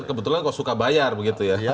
kebetulan kok suka bayar begitu ya